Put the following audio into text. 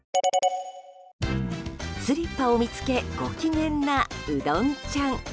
スリッパを見つけご機嫌な、うどんちゃん。